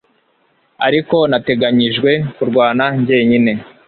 ariko nateganijwe kurwana njyenyine